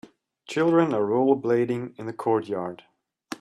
Children are rollerblading in a courtyard.